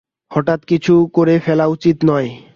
হঠাৎ কিছু করে ফেলা উচিত নয়।